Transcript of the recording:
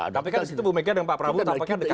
tapi kan di situ bu megah dan pak prabu tampaknya dekat